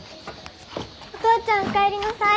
お父ちゃんお帰りなさい！